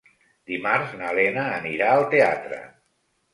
Dimarts na Lena anirà al teatre.